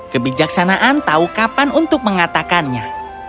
kebijaksanaan tahu kapan untuk mengatakannya